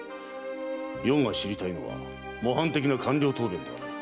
余が知りたいのは模範的な官僚答弁ではない。